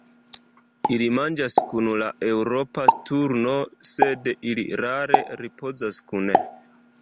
Ili manĝas kun la Eŭropa sturno, sed ili rare ripozas kune.